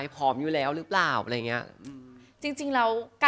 สวัสดีค่ะ